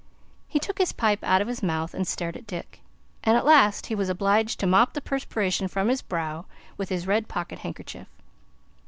He took his pipe out of his mouth and stared at Dick, and at last he was obliged to mop the perspiration from his brow with his red pocket handkerchief.